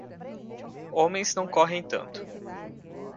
Homens não correm tanto.